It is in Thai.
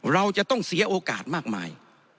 เราจะต้องเสียโอกาสมากมาย